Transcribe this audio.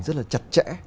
rất là chặt chẽ